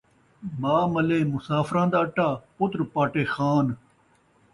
ماء ملے مسافراں دا اٹا ، پتر پاٹے خان